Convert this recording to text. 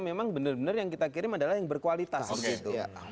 memang benar benar yang kita kirim adalah yang berkualitas